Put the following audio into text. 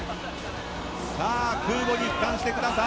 空母に帰還してください。